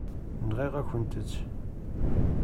Nɣiɣ-akent-tt.